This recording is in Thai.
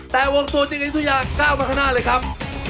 แต่วงตัวจริงอยุธยาก้าวมาข้างหน้าเลยครับ